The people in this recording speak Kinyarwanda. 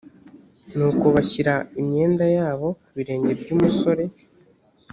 nuko bashyira imyenda yabo ku birenge by umusore